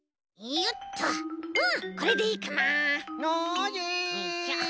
よいしょ。